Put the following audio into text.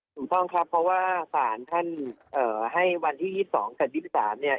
ถูกต้องครับเพราะว่าศาลท่านให้วันที่๒๒กับ๒๓เนี่ย